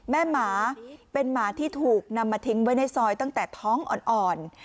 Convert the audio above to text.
หมาเป็นหมาที่ถูกนำมาทิ้งไว้ในซอยตั้งแต่ท้องอ่อน